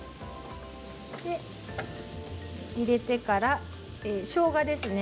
入れてから、しょうがですね。